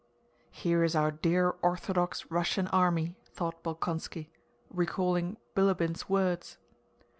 "Here is our dear Orthodox Russian army," thought Bolkónski, recalling Bilíbin's words.